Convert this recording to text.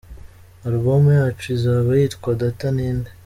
Alubumu yacu izaba yitwa Data ninde.